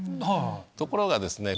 ところがですね